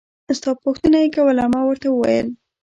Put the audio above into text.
ستا پوښتنه يې کوله ما ورته وويل.